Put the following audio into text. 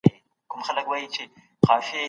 ولی تاسي دغه د حج نیت په خپلي خوني کي پټ ساتئ؟